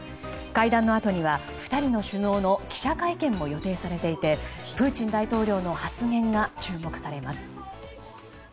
会談のあとには２人の首脳の記者会見も予定されていてプーチン大統領の発言が注目されます。